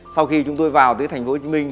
sau khi chúng tôi vào thành phố hồ chí minh